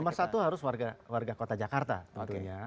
nomor satu harus warga kota jakarta tentunya